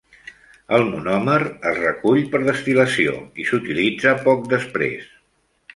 El monòmer es recull per destil·lació i s'utilitza poc després.